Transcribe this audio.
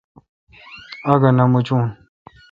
آگا نہ مچون۔